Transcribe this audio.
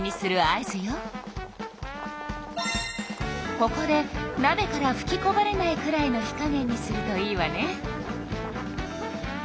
ここでなべからふきこぼれないくらいの火加減にするといいわね。